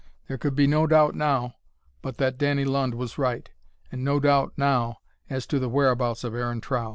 There could be no doubt now but that Danny Lund was right, and no doubt now as to the whereabouts of Aaron Trow.